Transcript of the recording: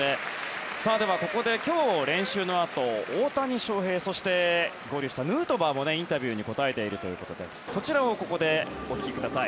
ここで今日練習のあと、大谷翔平そして合流したヌートバーもインタビューに答えているということでそちらをお聞きください。